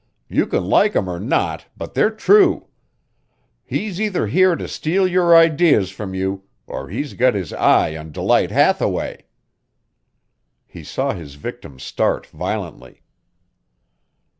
You can like 'em or not, but they're true. He's either here to steal your ideas from you, or he's got his eye on Delight Hathaway." He saw his victim start violently.